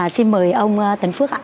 xin mời ông tấn phước ạ